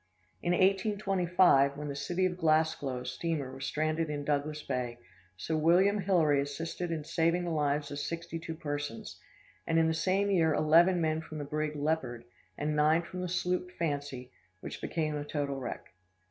In 1825, when the City of Glasgow steamer was stranded in Douglas Bay, Sir William Hillary assisted in saving the lives of sixty two persons; and in the same year eleven men from the brig Leopard, and nine from the sloop Fancy, which became a total wreck.